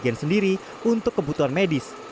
bagian sendiri untuk kebutuhan medis